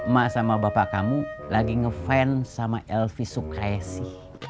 mak sama bapak kamu lagi ngefans sama elvi sukresi